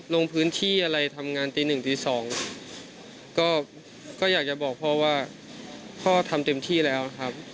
ลงพื้นที่อะไรทำงานตีหนึ่งตีสองก็อยากจะบอกพ่อว่าพ่อทำเต็มที่แล้วครับ